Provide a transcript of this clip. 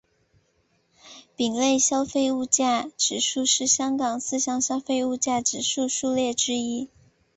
丙类消费物价指数是香港四项消费物价指数数列之一。